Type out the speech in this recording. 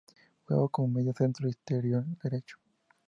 Jugaba como medio centro e interior derecho.